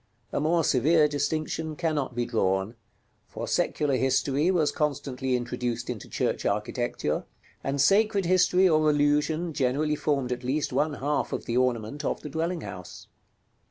A more severe distinction cannot be drawn: for secular history was constantly introduced into church architecture; and sacred history or allusion generally formed at least one half of the ornament of the dwelling house.